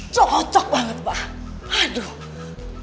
cocok banget pak aduh